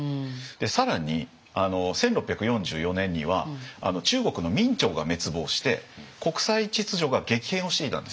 更に１６４４年には中国の明朝が滅亡して国際秩序が激変をしていたんです。